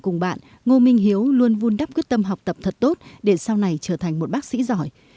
cùng bạn ngô minh hiếu luôn vun đắp quyết tâm học tập thật tốt để sau này trở thành một bác sĩ giỏi